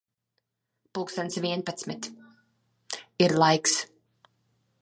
Pulkstens vienpadsmit. Ir laiks.